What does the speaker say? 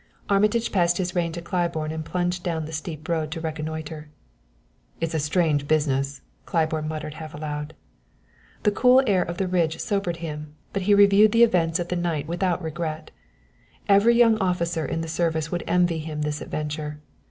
Armitage passed his rein to Claiborne and plunged down the steep road to reconnoiter. "It's a strange business," Claiborne muttered half aloud. The cool air of the ridge sobered him, but he reviewed the events of the night without regret. Every young officer in the service would envy him this adventure.